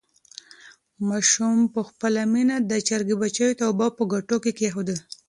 ماشوم په خپله مینه د چرګې بچیو ته اوبه په کټو کې کېښودې.